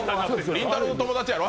りんたろーの友達やろ？